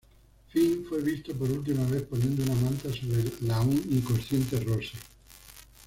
Finn fue visto por última vez poniendo una manta sobre la aún inconsciente Rose.